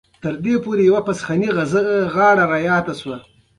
دوستي د وخت له تېرېدو سره لا پیاوړې کېږي.